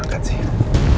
nggak ada apa apa